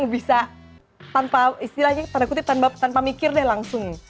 bisa jadi ahli yang bisa tanpa istilahnya tanpa mikir deh langsung